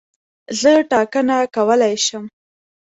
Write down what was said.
زه ټاکنه کولای شم.